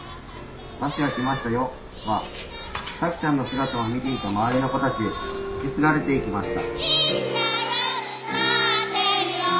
「『バスが来ましたよ』はさきちゃんの姿を見ていた周りの子たちへ受け継がれていきました」。